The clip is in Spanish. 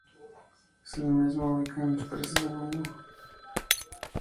En el mismo, se ubican empresas del rubro siderurgia, metal mecánica, textil y construcción.